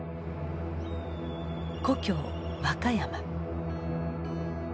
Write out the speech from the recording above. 故郷和歌山。